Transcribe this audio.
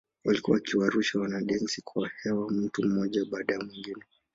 Walikuwa wakiwarusha wanadensi kwa hewa mtu mmoja baada ya mwingine.